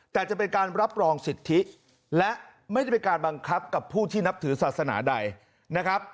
แต่จะเป็นการรับรองสิทธิและไม่ได้เป็นการบังคับกับผู้ที่นับถือศาสนาใดนะครับ